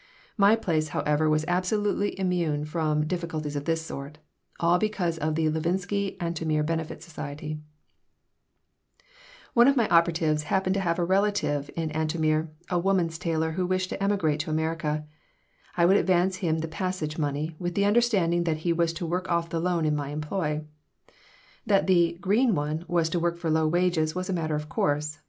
My place, however, was absolutely immune from difficulties of this sort all because of the Levinsky Antomir Benefit Society If one of my operatives happened to have a relative in Antomir, a women's tailor who wished to emigrate to America, I would advance him the passage money, with the understanding that he was to work off the loan in my employ. That the "green one" was to work for low wages was a matter of course.